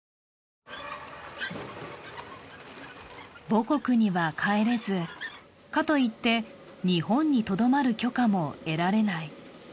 母国には帰れずかといって、日本にとどまる許可も得られない。